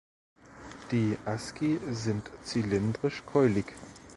Die Asci sind zylindrisch-keulig.